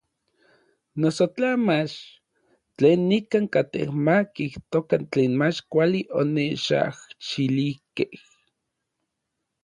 Noso tla mach, tlen nikan katej ma kijtokan tlen mach kuali onechajxilijkej.